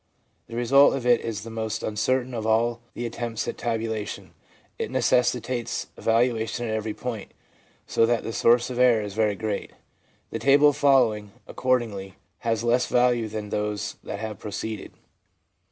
The result of it is the most uncertain of all the attempts at tabulation. It necessitates evaluation at every point, so that the source of error is very great. The table following, accordingly, has less value than those that have preceded.